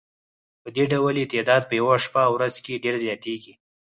پدې ډول یې تعداد په یوه شپه او ورځ کې ډېر زیاتیږي.